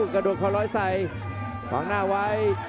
กระดวนเข้าร้อยใสหวังหน้าไว้